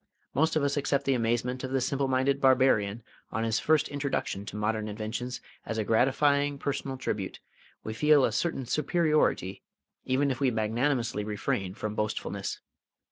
Most of us accept the amazement of the simple minded barbarian on his first introduction to modern inventions as a gratifying personal tribute: we feel a certain superiority, even if we magnanimously refrain from boastfulness.